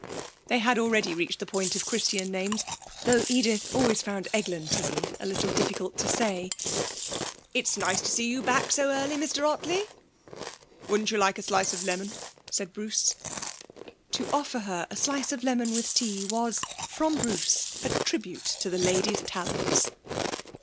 (They had already reached the point of Christian names, though Edith always found Eglantine a little difficult to say.) 'It's nice to see you back so early, Mr Ottley.' 'Wouldn't you like a slice of lemon?' said Bruce. To offer her a slice of lemon with tea was, from Bruce, a tribute to the lady's talents.